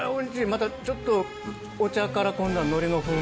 またちょっとお茶から今度は海苔の風味で。